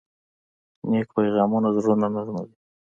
نیک پیغامونه زړونه نرموي.